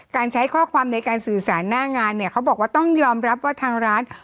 ใช้ข้อความในการสื่อสารหน้างานเนี่ยเขาบอกว่าต้องยอมรับว่าทางร้าน